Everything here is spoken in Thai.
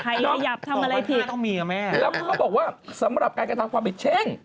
ใครยับทำอะไรที่แล้วก็บอกว่าสำหรับการกระทั่งความผิดเช่ง